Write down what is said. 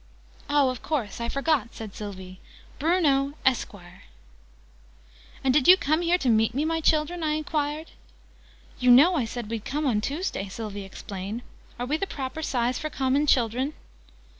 "Oh, of course. I forgot," said Sylvie. "Bruno Esquire!" "And did you come here to meet me, my children?" I enquired. "You know I said we'd come on Tuesday," Sylvie explained. "Are we the proper size for common children?"